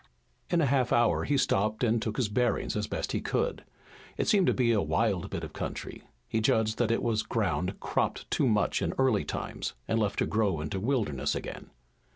In a half hour he stopped and took his bearings as best he could. It seemed to be a wild bit of country. He judged that it was ground cropped too much in early times, and left to grow into wilderness again.